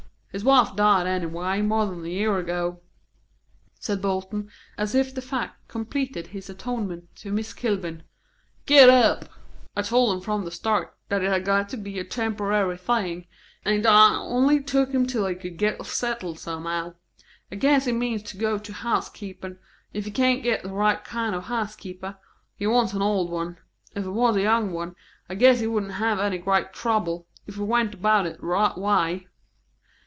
"His wife died anyway, more than a year ago," said Bolton, as if the fact completed his atonement to Miss Kilburn, "Git ep! I told him from the start that it had got to be a temporary thing, an' 't I only took him till he could git settled somehow. I guess he means to go to house keepin', if he can git the right kind of a house keeper; he wants an old one. If it was a young one, I guess he wouldn't have any great trouble, if he went about it the right way."